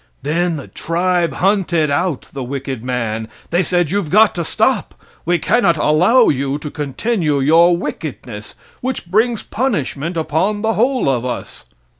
Then the tribe hunted out the wicked man. They said you've got to stop. We cannot allow you to continue your wickedness, which brings punishment upon the whole of us.